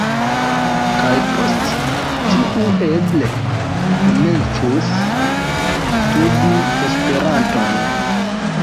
Kaj post tiu eble komencus studi Esperanton